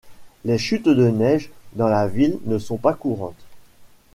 Les chutes de neige dans la ville ne sont pas courantes.